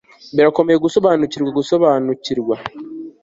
birakomeye gusobanukirwa; gusobanukirwa